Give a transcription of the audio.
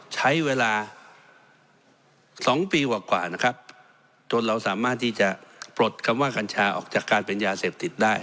ใช้เวลาสองปีกว่านะครับจนเราสามารถที่จะปลดคำว่ากัญชาออกจากการเป็นยาเสพติดได้